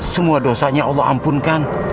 semua dosanya allah ampunkan